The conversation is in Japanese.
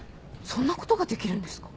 そんなことができるんですか？